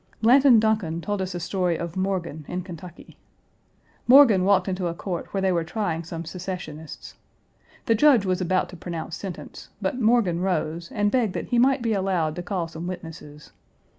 Blanton Duncan told us a story of Morgan in Kentucky. Morgan walked into a court where they were trying some Secessionists. The Judge was about to pronounce sentence, but Morgan rose, and begged that he might be allowed to call some witnesses.